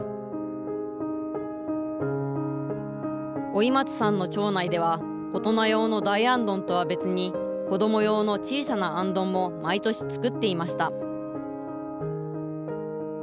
老松さんの町内では、大人用の大行燈とは別に、子ども用の小さな行燈も毎年作っていました。